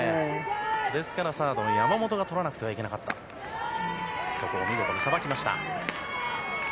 ですからサード山本が取らなくてはいけなかったがよくさばきました。